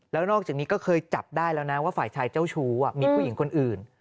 แล้วนอกจากนี้ก็เคยจับได้แล้วนะว่าฝ่ายชายเจ้าชู้มีผู้หญิงคนอื่น